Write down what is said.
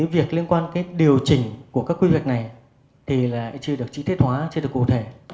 việc liên quan điều chỉnh của các quy hoạch này thì lại chưa được chi tiết hóa chưa được cụ thể